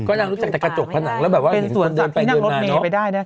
ก็นางรู้จักแต่กระจกผนังแล้วแบบว่าเห็นส่วนสัตว์ที่นั่งรถเมย์ไปได้นะคะ